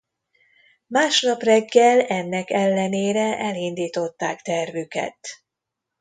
Másnap reggel ennek ellenére elindították tervüket.